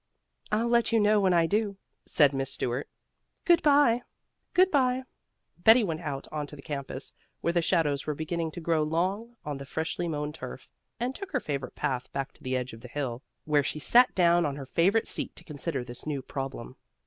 "I'll let you know when I do," said Miss Stuart. "Good bye." Betty went out on to the campus, where the shadows were beginning to grow long on the freshly mown turf, and took her favorite path back to the edge of the hill, where she sat down on her favorite seat to consider this new problem.